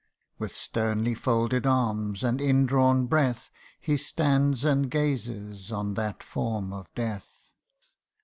With sternly folded arms, and indrawn breath, He stands and gazes on that form of death.